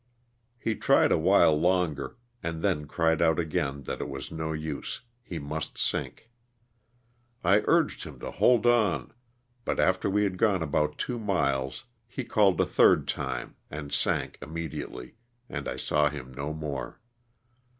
He tried awhile longer and then cried out again that it was no use, he must sink. I urged him to hold on, but after we had gone about two miles he called a third time and sank immedi ately, and I saw him no more.